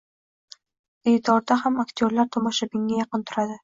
Diydorda ham aktyorlar tomoshabinga yaqin turadi.